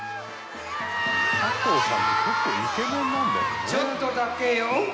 「加藤さんって結構イケメンなんだよね」